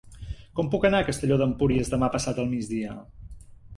Com puc anar a Castelló d'Empúries demà passat al migdia?